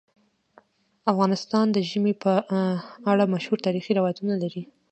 افغانستان د ژمی په اړه مشهور تاریخی روایتونه لري.